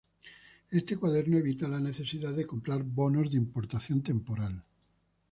Este cuaderno evita la necesidad de comprar bonos de importación temporal.